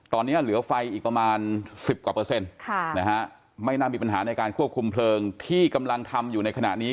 ตอนนี้เหลือไฟอีกประมาณ๑๐กว่าเปอร์เซ็นต์ไม่น่ามีปัญหาในการควบคุมเพลิงที่กำลังทำอยู่ในขณะนี้